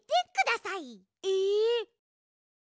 え？